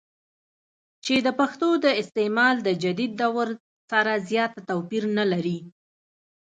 چې دَپښتو دَاستعمال دَجديد دور سره زيات توپير نۀ لري